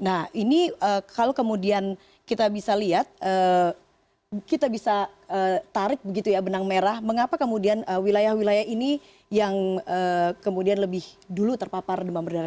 nah ini kalau kemudian kita bisa lihat kita bisa tarik begitu ya benang merah mengapa kemudian wilayah wilayah ini yang kemudian lebih dulu terpapar demam berdarah